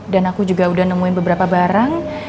dan aku juga udah nemuin beberapa barang